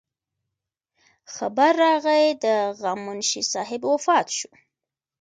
خبر راغے د غم منشي صاحب وفات شو